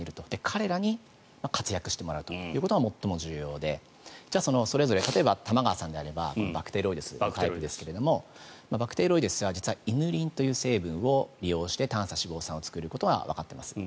彼らに活躍してもらうということが最も重要でじゃあ、それぞれ例えば玉川さんであればバクテロイデスですけどもバクテロイデスは実はイヌリンという成分を利用して短鎖脂肪酸を作ることがわかっています。